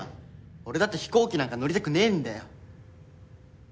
俺だって飛行機なんか乗りたくねえんだよ！